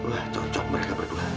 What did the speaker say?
wah cocok mereka berdua